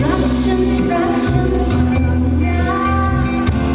รักฉันรักฉันทำอย่าง